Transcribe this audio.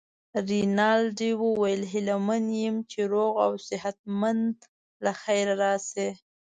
رینالډي وویل: هیله من یم چي روغ او صحت مند له خیره راشې.